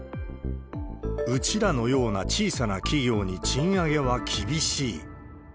うちらのような小さな企業に賃上げは厳しい。